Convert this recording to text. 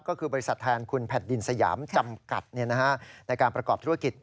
ก็คือบริษัทแทนคุณแผ่นดินสยามจำกัดในการประกอบธุรกิจ